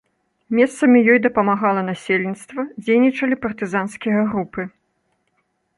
Месцамі ёй дапамагала насельніцтва, дзейнічалі партызанскія групы.